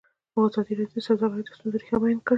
ازادي راډیو د سوداګري د ستونزو رېښه بیان کړې.